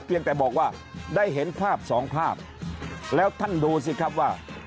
เพียงแต่บอกว่าได้เห็นภาพสองภาพแล้วท่านดูสิครับว่า